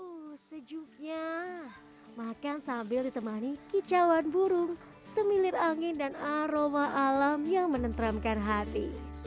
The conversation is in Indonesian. uh sejuknya makan sambil ditemani kicauan burung semilir angin dan aroma alam yang menentramkan hati